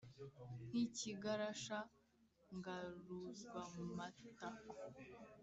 Nk ' ikigarasha ngaruzwamatako !".